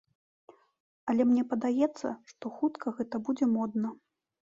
Але мне падаецца, што хутка гэта будзе модна.